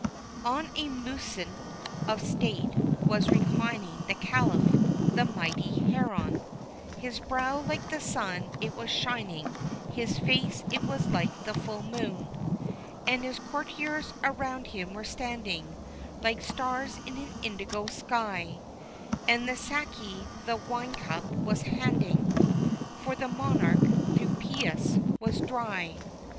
On a musnud of state was reclining the Caliph, the Mighty Haroun; His brow like the sun it was shining, his face it was like the full moon, And his courtiers around him were standing, like stars in an indigo sky, And the saki the wine cup was handing for the monarch, though pious, was dry.